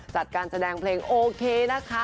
จัดการแสดงเพลงโอเคนะคะ